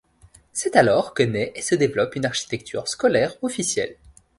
C'est alors que naît et se développe une architecture scolaire officielle.